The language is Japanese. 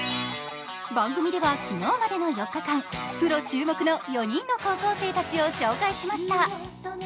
番組では昨日までの４日間、プロ注目の４人の高校生たちを紹介しました。